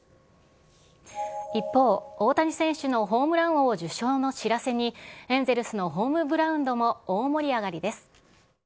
一方、大谷選手のホームラン王受賞の知らせに、エンゼルスのホームグラウンドも大盛り上がりです。